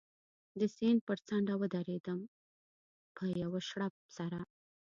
د سیند پر څنډه و درېدم، په یوه شړپ سره.